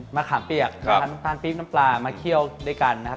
มะขามเปียกมาทานน้ำตาลปี๊บน้ำปลามาเคี่ยวด้วยกันนะครับ